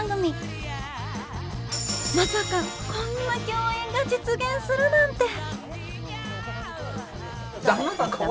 まさかこんな共演が実現するなんて！